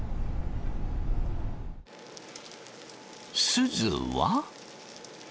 すずは。